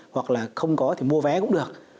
hoặc là không có thì mua vé cũng được